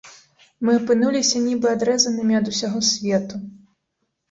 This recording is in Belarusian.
Мы апынуліся нібы адрэзанымі ад усяго свету.